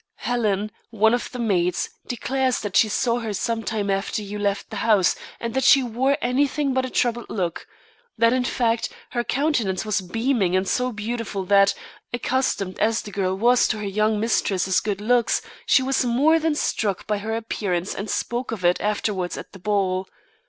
Helen, one of the maids, declares that she saw her some time after you left the house, and that she wore anything but a troubled look; that, in fact, her countenance was beaming and so beautiful that, accustomed as the girl was to her young mistress's good looks, she was more than struck by her appearance and spoke of it afterwards at the ball.